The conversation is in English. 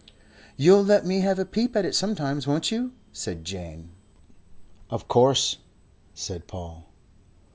"You'll let me have a peep at it sometimes, won't you?" said Jane. "Of course," said Paul.